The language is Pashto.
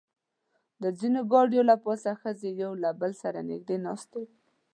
د ځینو ګاډیو له پاسه ښځې یو له بل سره نږدې ناستې وې.